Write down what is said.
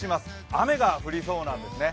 雨が降りそうなんですね。